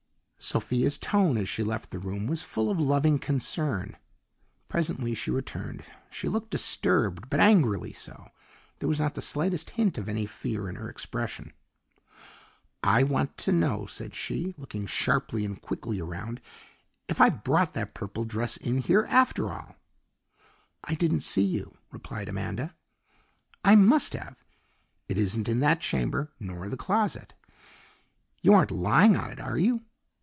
Sophia's tone as she left the room was full of loving concern. Presently she returned; she looked disturbed, but angrily so. There was not the slightest hint of any fear in her expression. "I want to know," said she, looking sharply and quickly around, "if I brought that purple dress in here, after all?" "I didn't see you," replied Amanda. "I must have. It isn't in that chamber, nor the closet. You aren't lying on it, are you?"